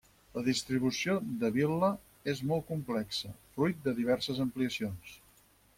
La distribució de la vil·la és molt complexa, fruit de diverses ampliacions.